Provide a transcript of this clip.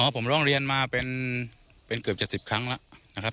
ผมร้องเรียนมาเป็นเกือบจะ๑๐ครั้งแล้วนะครับ